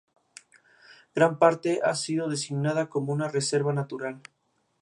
Gran parte ha sido designada como una reserva natural.